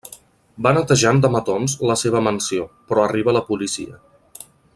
Va netejant de matons la seva mansió, però arriba la policia.